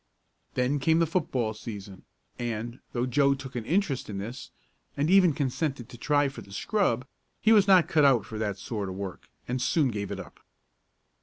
Then came the football season, and, though Joe took an interest in this, and even consented to try for the scrub, he was not cut out for that sort of work, and soon gave it up.